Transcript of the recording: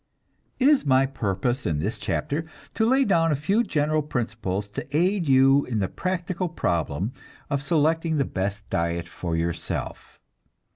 It is my purpose in this chapter to lay down a few general principles to aid you in the practical problem of selecting the best diet for yourself.